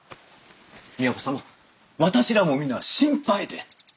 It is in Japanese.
都様私らも皆心配で。